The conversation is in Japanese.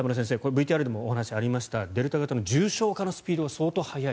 ＶＴＲでもお話ありましたデルタ型の重症化のスピードが相当早い。